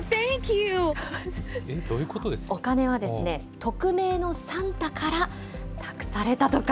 お金は、匿名のサンタから、託されたとか。